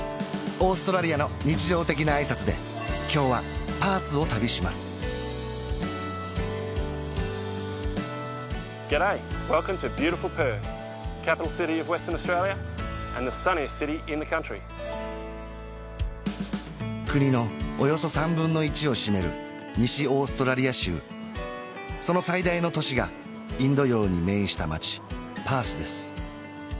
オーストラリアの日常的な挨拶で今日はパースを旅します国のおよそ３分の１を占める西オーストラリア州その最大の都市がインド洋に面した街パースです